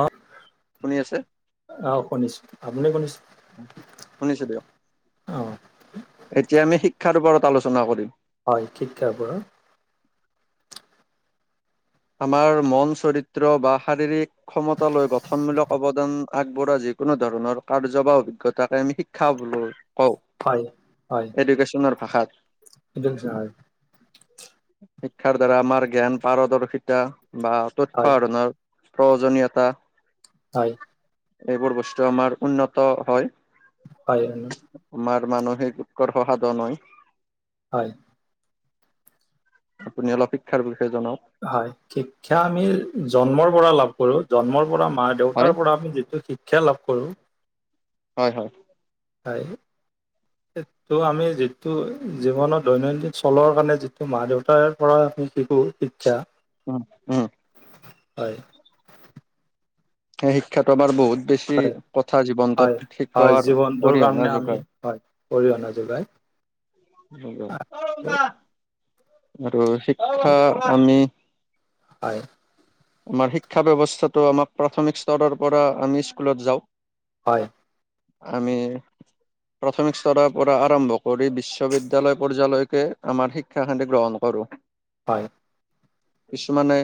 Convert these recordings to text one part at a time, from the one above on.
অ', শুনি আছে অ' শুনিছো আপুনি শুনিছে? শুনিছো দিয়ক। অ এতিয়া আমি শিক্ষাৰ ওপৰত আলোচনা কৰিম। হয় শীক্ষাৰ ওপৰত। আমাৰ মন চৰিত্ৰ বা শাৰীৰিক ক্ষমতা লৈ গঠনমূলক অৱদান আগবঢ়া যিকোনো ধৰণৰ কাৰ্য বা অভিজ্ঞতাকে আমি খা বোলো। কও হয় হয় এডুকেশ্যনৰ ভাষাত। সেইটো হয় শিক্ষাৰ দ্বাৰা আমাৰ জ্ঞান পাৰদৰ্শিতা বা তথ্য হয় আহৰনৰ প্ৰয়োজনীয়তা। হয়। এইবোৰ বস্তু আমাৰ উন্নত হয়। হয়। আমাৰ মানসিক উৎকৰ্ষ সহাধ হয়। হয়। আপুনি অলপ শিক্ষাৰ বিষয়ে জনাওক? হয় শিক্ষা আমি জন্মৰ পৰা লাভ কৰো। জন্মৰ পৰা মা হয় দেউতাৰ পৰা আমি যিটো শিক্ষা লাভ কৰো। হয় হয়। হয়। সেইটো আমি যিটো জীৱনৰত দৈনন্দিন চলৰ কাৰণে যিটো মা-দেউতাৰ পৰা আমি শিকোঁ। শিক্ষা। উম, উম। হয়। সেই শিক্ষাতটো আমাৰ বহুত বেছি হয় প্ৰথা হয় জীৱনটোত হয় শিকোৱাৰ জীৱনটোৰ কাৰণে অৰিহণা আমি যোগায়। হয় অৰিহণা যোগাই। হয় আৰু শিক্ষা আমি হয়। আমাৰ শিক্ষা ব্যৱস্থাটো আমাক প্ৰাথমিক স্তৰৰ পৰা আমি স্কুলত যাওঁ। হয়। আমি প্ৰাথমিক স্তৰৰ পৰা আৰম্ভ কৰি বিশ্ববিদ্যালয় পৰ্যায়লৈকে আমাৰ শিক্ষাখানি গ্ৰহণ কৰোঁ। হয়। কিছুমানে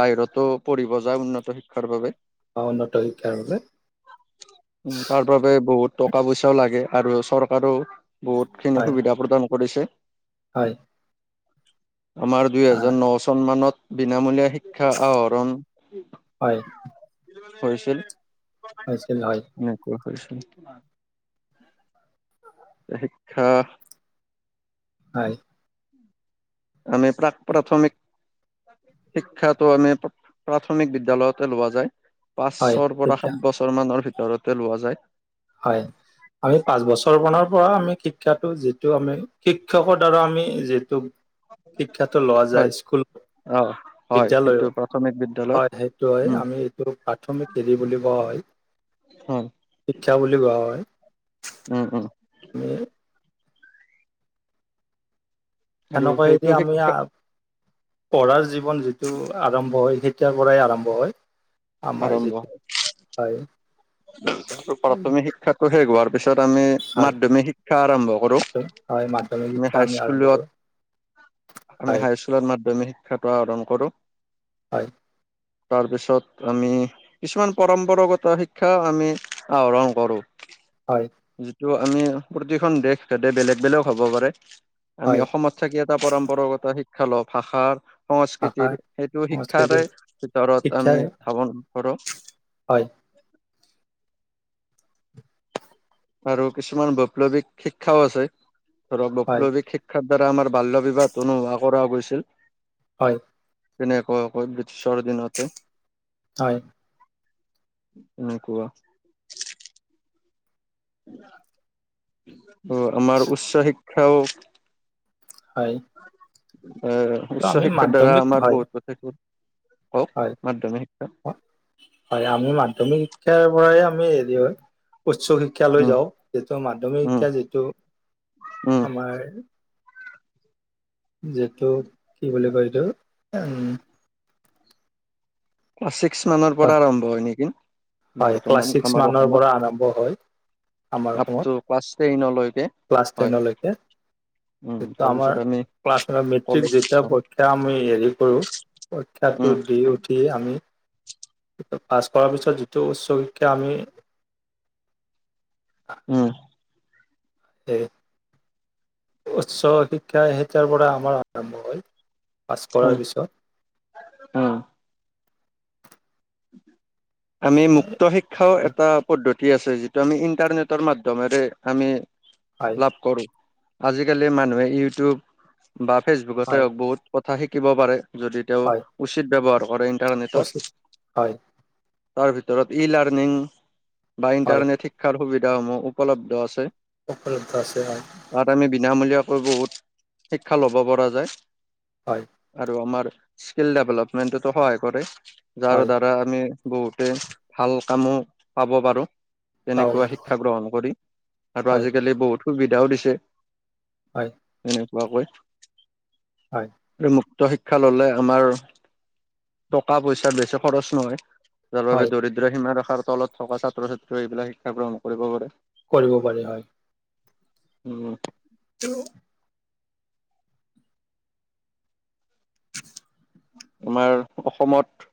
বাহিৰতো পঢ়িব যায় উন্নত শিক্ষাৰ বাবে অ, উন্নত শিক্ষাৰ বাবে উ, তাৰ বাবোবে বহুত টকা পইচাও লাগে আৰু চৰকাৰও বহুত খিনি হয় সুবিধা প্ৰদান কৰিছে। হয়। আমাৰ দুই আ হোজাৰ ন চন মানত বিনামূলীয়া শিক্ষা হয়, কৰিছিল। হৈছিল হয়। এনেকুৱা হৈ, হৈছে শিক্ষা হয়। আমি প্ৰাক-প্ৰাথমিক শিক্ষাটো আমি প্ৰাথমিক বিদ্যায়ালয়তে লোৱা যায়। হয়, পাঁচৰ পৰা, শিক্ষা সাত বছৰ মানৰ ভিতৰতে লোৱা যায়। হয় আমি পাঁচ বছৰ পৰ, পৰা আমি শিক্ষাটো যিটো আমি শিক্ষকৰ দ্বাৰা আমি যিহেতু শিক্ষাটো লোৱা হয় যায় স্কুল অ হয় সেইটো বিদ্যালয়ো প্ৰাথমিক বিদ্যালয়ত হয় সেইটো হয় উম আমি এইটো প্ৰাথমিক বুলি কোৱা হয়। হয়। শিক্ষা বুলি কোৱা হয়। উ, অ'। [inaudible] আৰু সেইটো সেনেকুৱাইদি আমি শিক্ষা পঢ়াৰ জীৱন যিটো আৰম্ভ হয় তেতিয়াৰ পৰাই আৰম্ভ হয় আমাৰ আৰম্ভ যিটো হয়। প্ৰাথমিক শিক্ষাতটো শেষ হোৱাৰ পিছত আমি হয় মাধ্মিক শিক্ষা আৰম্ভ কৰোঁ মাধ্য- হয় মাধ্যমিক আমি শিক্ষা আমি আৰম্ভ কৰোঁ হাইস্কুলত। আমি হয় হাইস্কুলত মাধ্যমিক শিক্ষাটো আহৰণ কৰোঁ। হয়। তাৰপিছত আমি কিছুমান পৰম্পৰাগত শিক্ষা শিক্ষাও আমি আহৰণ কৰোঁ। হয়। যিটো আমি প্ৰতিখন দেশ হেদে বেলেগ, বেলেগ হ'ব পাৰে আমি হয় অসমত। থাকি এটা পৰম্পৰাগত শিক্ষা ল ভাষাৰ ভাষা সংস্কৃতিৰ সেইটো শিক্ষাৰে সংস্কৃতিৰ ভিতৰত শিক্ষাৰ আমি ধাৱন কৰোঁ। হয়। আৰু কিছুমান বৈপ্লৱিক শিক্ষাও আছে ধৰক হয়, বৈপ্লৱিক শিক্ষা। শিক্ষাৰ দ্বাৰা আমাৰ বাল্য বিবাহ অনুভোৱা কৰা গৈছিল। হয়, তেনেকুৱৈ ব্ৰিছৰ দিনতে, হয়, ননে কোৱা। অ, আমাৰ উচ্চ শিক্ষাও হয়, অহ, ত' উচ্চ আমি শিক্ষাৰ দ্বাৰা মাধ্যমিক আমাৰ হয়, বহুত [inaudible] কওক, হয়, মাধ্যমিক শিক্ষা হয় আমি মাধ্যমিক শিক্ষাৰ পৰাই আমি হেৰি হয় উচ্চ শিক্ষা শিক্ষ লৈ উম যাওঁ যিটো মাধ্যমিক উম শিক্ষা যিটো উম আমাৰ যিটো কি বুলি কয় এইটো উম, ক্লাছ ছিক্স মানৰ পৰা আৰম্ভ হয় নেকি হয়, ক্লাছ বৰ্তমান ছিক্স আমাৰ মানৰ অসমত পৰা আৰম্ভ হয়। আমাৰ আপ অসমত টু ক্লাছ টেইনলৈকে ক্লাছ হয় টেনলৈকে। উম, তাৰপিছত আমাৰ আমি ক্লা নাই মেট্ৰিক কলেজ যেতিয়া যাওঁ এয়া আমি হেৰি কৰোঁ পৰীক্ষাটো উম, দি উঠি আমি পাছ কৰাৰ পিছত যিটো উচ্চ শিক্ষা আমি অ, [inaudible] উচ্চ শিক্ষা সেই তেতিয়াৰ পৰা আমাৰ আৰম্ভ হয়। পাছ কৰাৰ হয়, পিছত। উম, আমি হয় মুক্ত শিক্ষাও এটা পদ্ধতি কি আছে যিটো আমি ইণ্টাৰনেটৰ মাধ্যমেৰে আমি লাভ কৰোঁ। আজিকালি মানুহে ইউটিউব বা ফেচবুকতে হয় হওক বহুত কথা শিকিব পাৰে, যদি তেওঁ উচিত ব্যৱহাৰ কৰে, ইন্টাৰনেটৰ অচি, হয়, তাৰ ভিতৰত ই লাৰ্ণিং বা হয় ইণ্টাৰনেট শিক্ষাৰ সুবিধাসমূহ উপলব্ধ আছে। উপলব্ধ আছে হয়। তাত আমি বিনামূলীয়াকৈ বহুত শিক্ষা লব পৰা যায়। হয়, আৰু আমাৰ স্কিল ডেভেলপমেন্টতো সহায় কৰে যাৰ হয় দ্বাৰা আমি বহুতে ভাল কামো পাব পাৰোঁ। পাব তেনেকুৱা পাৰি শিক্ষা গ্ৰহণ কৰি, আৰু হয় আজিকালি বহুত সুবিধাও দিছে। হয়, এনেকুৱাকৈ। হয়। আৰু মুক্ত শিক্ষা ললে আমাৰ টকা পইচাৰ বেছি খৰচ নহয়। যাৰ বাবে হয় দৰিদ্ৰ সীমা ৰখাৰ তলত থকা ছাত্ৰ ছাত্ৰী ও এইবিলাক শিক্ষা গ্ৰহণ কৰিব পাৰে। কৰিব পাৰি হয়। উম। [inaudible] আমাৰ অসমত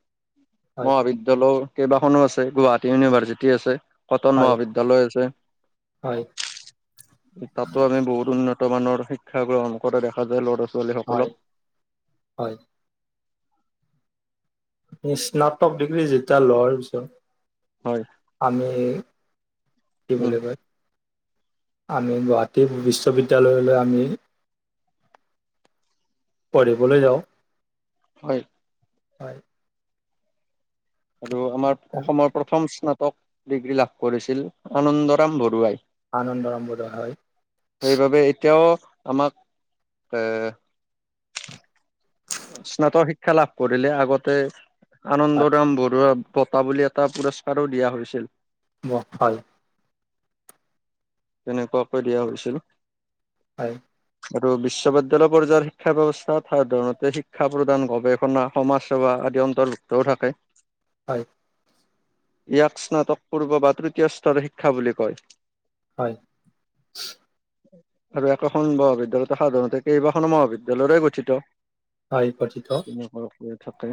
হয় মহাবিদ্য লেও কেইবাখনো আছে গুৱাহাটী ইউনিভাৰ্চিটি আছে। কটন হয় মহাবিদ্যালয় আছে। হয় তাতো আমি বহুত উন্নত মানৰ শিক্ষা গ্ৰহণ কৰা দেখা যায় ল'ৰা ছোৱালী। হয়, সকলক হয়। স্নাতক ডিগ্ৰী যেতিয়া লোৱাৰ পিছত। হয়। আমি কি উম বুলি কয়। আমি গুৱাহাটী বিশ্ববিদ্যালয়লৈ আমি। পঢ়িবলৈ যাওঁ। হয়। হয়। আৰু আমাৰ অসমৰ প্ৰথম স্নাতক ডিগ্ৰী লাভ কৰিছিল আনন্দৰাম বৰুৱাই। আনন্দ ৰামবোধ হয় সেইবাবে এতিয়াও আমাক এ স্নাতক শিক্ষা লাভ কৰিলে আগতে হয় আনন্দৰাম বৰুৱা। বঁটা বুলি এটা পুৰস্কাৰো দিয়া হৈছিল। হয়। তেনেকুৱাকৈ দিয়া হৈছিল। হয়। আৰু বিশ্ববিদ্যয়ালয় পৰ্যায়ৰ শিক্ষা ব্যৱস্থাত সাধাৰণতে শিক্ষা প্ৰদান গৱেষণা। সমাজ সেৱা আদি অন্তৰ্ভুক্তও থাকে। হয়। ইয়াক স্নাতকপূৰ্ব বা তৃতীয় স্তৰৰ শিক্ষা বুলি কয়। হয়। আৰু একোখন মহাবিদ্যালয়ত সাধাৰণতে কেইবাখনো মহাবিদ্যালয়ৰে গঠিত। হয় গঠিত তেনে [unintelligible] থাকে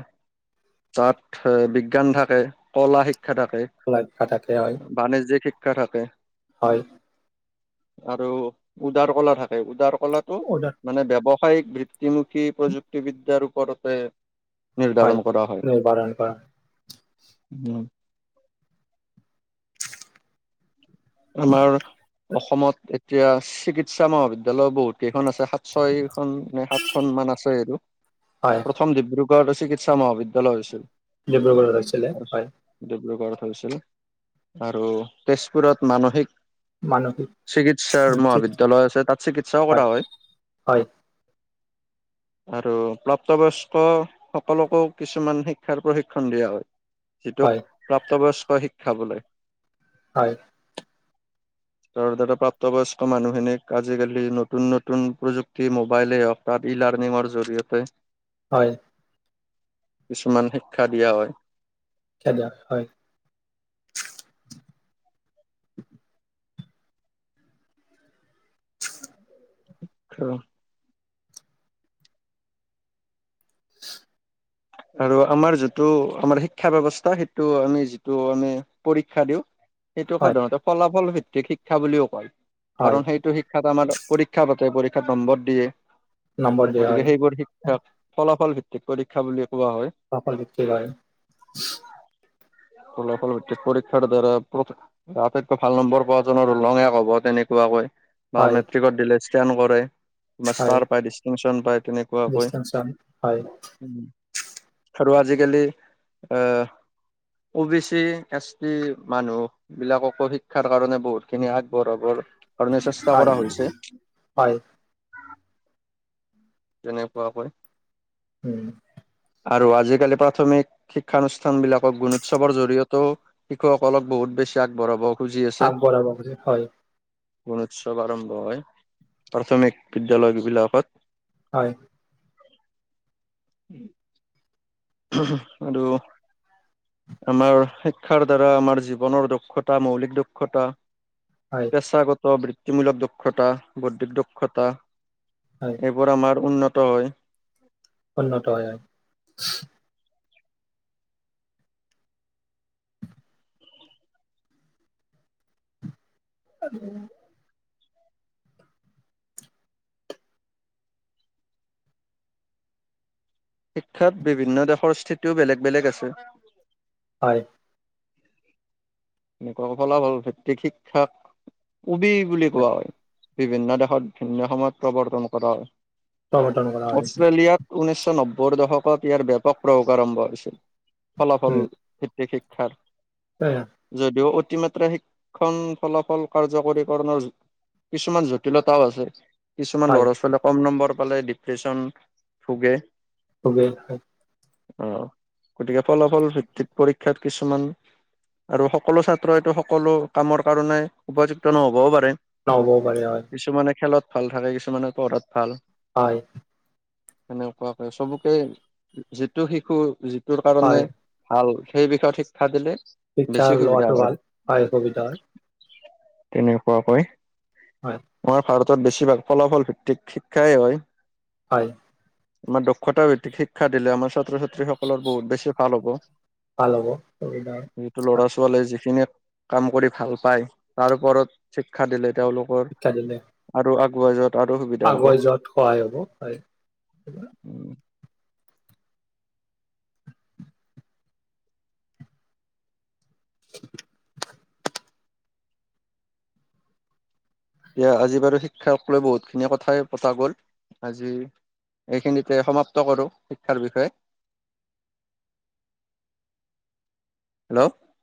তাত এ বিজ্ঞান থাকে, কলা শিক্ষা থাকে। ল কটাতে হয়। বাণিজ্যিক শিক্ষা থাকে। হয়। আৰু উদাৰ কলা থাকে উদাৰ কলাটো। উদাত। মানে ব্যৱসায়িক বৃত্তিমুখী প্ৰযুক্তিবিদ্যাৰ ওপৰতে। হয় নিৰ্ধাৰণ কৰা হয় নিৰ্ধাৰণ কৰা উম। আমাৰ অসমত এতিয়া চিকিৎসা মহাবিদ্যায় বহুত কেইখন আছে ছয়খন নে সাতখনন মান আছে আৰু প্ৰ হয় প্ৰথম ডিব্ৰুগড় চিকিৎসা মহাবিদ্যালয় হৈছিল। ডিব্ৰুগড়ত আছিলে হয়। ডিব্ৰোৰুগড়ত হৈছিলে আৰু তেজপুৰত মানসিক। মানসিক চিকিৎসাৰ মহাবিদ্যয়ালয় আছে তাত চিকিৎসাও কৰা হয়। [inaudible] আৰু প্ৰাপ্তবয়স্কসকলকো কিছুমান শিক্ষাৰ প্ৰশিক্ষণ দিয়া হয়। যিটোক হয় প্ৰাপ্তবয়স্ক শিক্ষা বোলে। হয় তৰ দ্বাৰা প্ৰাপ্তবয়স্ক মানুহখিনিক আজিকালি নতুন নতুন প্ৰযুক্তি মোবাইলেই হওক তাত ই লাৰ্ণিঙৰ জৰিয়তে হয় কিছুমান শিক্ষা দিয়া হয় খ দিয়ক হয় [inaudible] আচ্ছা আৰু আমাৰ যিটো আমাৰ শিক্ষা ব্য্ৱস্থা সেইটো আমি যিটো আমি পৰীক্ষা দিওঁ সেইটোক হয় সাধাৰণতে ফলাফল ভিত্তিক শিক্ষা বুলিও কয় হয় কাৰণ সেইটো শিক্ষাত আমাৰ পৰীক্ষা পাতে পৰীক্ষাত নম্বৰ দিয়ে নম্বৰ দিয়া গতিকে হয় সেইবোৰ শ ফলাফল ভিত্তিক পৰীক্ষা বুলিলিয়ে কোৱা হয় কাপাৰ বিতক গায় ফল ফল খ ধাৰ প্ৰ আটাইতকৈ ভাল নম্বৰ পোৱা জ লঙ এক হ'ব তেনেকুৱাকৈ বা হয় মেট্ৰিকত দিলে ষ্টেণ্ড কৰে বা ষ্টাৰ পায় ডিষ্টিংশচন পায় তেনেক ৱেষ্টাৰ্ণ চং হয়। আৰু আজিকালি O B C S T মানুহ বিলাককো শিক্ষাৰ কাৰণে বহুত খিনি আগবঢ়াবৰ কাৰণে চেষ্টা হয় কৰা হৈছে হয়। তেনেকুৱাকৈ। উম। আৰু আজিকালি প্ৰাথমিক শিক্ষানুষ্ঠান বিলাকক গুণোৎসৱৰ জৰিয়তেও শিশুসকলক বহুত বেছি আগবঢ়াব খুজি আছে। আগবঢ়াব খুজি হয় গুণোৎসৱ আৰম্ভ হয় প্ৰাথমিক বিদ্যালয়বিলাকত। হয়। উম। আৰু আমাৰ শিক্ষাৰ দ্বাৰা আমাৰ জীৱনৰ দক্ষতা মৌলিক দক্ষতা হয়। পেছাগত বৃত্তিমূলক দক্ষতা বৌদ্ধিক দক্ষতা হয়। সেইবোৰ আমাৰ উন্নত হয়। উন্নত হয়। [inaudible] শিক্ষাত বিভিন্ন দেশৰ স্থিতিও বেলেগ বেলেগ আছে। হয়। এনেকুৱা ফলাফল ভিতিক শিক্ষাক কবি বুলি কোৱা হয়। বিভিন্ন দেশত ভিন্ন সময়ত প্ৰৱৰ্তন কৰা হয় প্ৰৱৰ্তন কৰা হয় অষ্ট্ৰেলিয়াত ঊনৈশ নব্বৈ দশকত ইয়াৰ ব্যাপক প্ৰয়োগ আৰম্ভ হৈছিল ফলাফল যে শিক্ষাৰ। হয়। যদিও অতিমাত্ৰা শিক্ষণ ফলাফল কাৰ্যকৰীকৰণৰ কিছুমান জটিলতাও আছে। কিছুমান হয় ল'ৰা ছোৱালীয়ে কম নম্বৰ পালে ডিপ্ৰেচন ভোগে। ভোগে হয়। অ', গতিকে ফলাফল ভিত্তিত পৰীক্ষাত কিছুমান আৰু সকলো ছাত্ৰ এইটো সকলো কামৰ কাৰণে উপযুক্ত নহ'বও পাৰে। নহ'বও পাৰে হয়। কিছুমানে খেলত ভাল থাকে, কিছুমানে পঢ়াত ভাল। হয়। সেনেকুৱাকে চবকে, যিটো শিশু যিটোৰ হয় কাৰণে ভাল, সেই বিষয় শিক্ষা দিলে শিক্ষা বেছি লোৱাটো ভাল, পাই সুবিধা হয়। তেনেকুৱা কৈ হয়। আমাৰ ভাৰতত বেছিভাগ ফলাফল ভিত্তিক শিক্ষাই হয়। হয়। আমাৰ দক্ষতা ভিত্তিক শিক্ষা দিলে, আমাৰ ছাত্ৰ-ছাত্ৰী সকলৰ বহুত বেছি ভাল হ'ব। ভাল হ'ব, সুবিধা যিটো ল'ৰা-ছোৱালীয়ে যিখিনি কাম কৰি ভাল পায়, তাৰ ওপৰত শিক্ষা দিলে তেওঁলোক [unintelligible] আৰু আগুৱাই যোৱাত আৰু সুবিধা হ'ব। আগুৱাই যোৱাত সহায় হ'ব, হয়। এতিয়া [inaudible] দিয়া, আজি বাৰু শিক্ষাক লৈ বহুত খিনি কথাই পতা গ'ল আজি এইখিনিতে সমাপ্ত কৰোঁ, শিক্ষাৰ বিষয়ে। হেল্ল'।